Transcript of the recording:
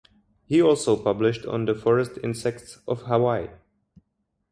He also published on the forest insects of Hawaii.